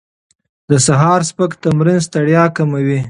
د سهار سپک تمرین ستړیا کموي.